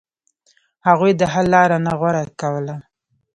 هغوی د حل لار نه غوره کوله.